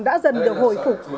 đã dần được hồi phục